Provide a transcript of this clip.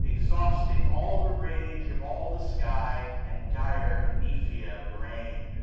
Exhausting all the rage of all the sky, 985 And dire Ecnephia reign.